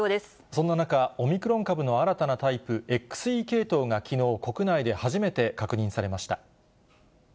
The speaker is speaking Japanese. そんな中、オミクロン株の新たなタイプ、ＸＥ系統がきのう、国内で初めて確認されました。